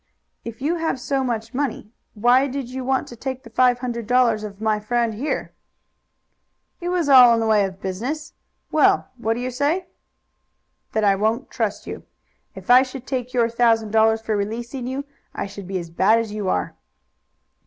"If you have so much money, why did you want to take the five hundred dollars of my friend here?" "It was all in the way of business. Well, what do you say?" "That I won't trust you. If I should take your thousand dollars for releasing you I should be as bad as you are."